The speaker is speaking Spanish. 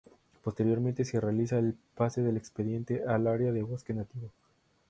Posteriormente, se realiza el pase del expediente al "Área de Bosque Nativo".